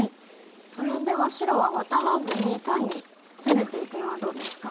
それでは白はワタらずに単に攻めていくのはどうですか？